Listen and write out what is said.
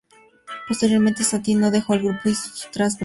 Posteriormente, Santino dejó el grupo y tras un breve receso.